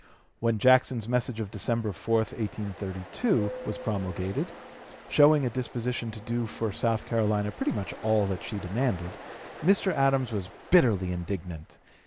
When Jackson's message of December 4, 1832, was promulgated, showing a disposition to do for South Carolina pretty much all that she demanded, Mr. Adams was bitterly indignant.